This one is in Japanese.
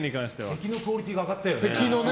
咳のクオリティーが上がったよね。